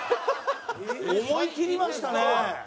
思いきりましたね。